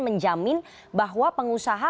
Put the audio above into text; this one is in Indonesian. menjamin bahwa pengusaha